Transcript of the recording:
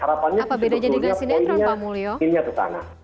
harapannya sebetulnya poinnya ini atau sana